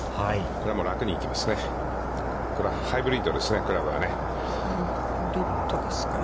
これは楽に行きますね。